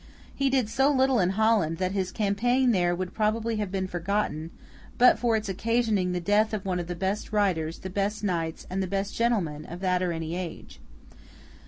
He did so little in Holland, that his campaign there would probably have been forgotten, but for its occasioning the death of one of the best writers, the best knights, and the best gentlemen, of that or any age.